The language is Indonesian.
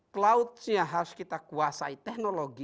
cloud nya harus kita kuasai teknologi nya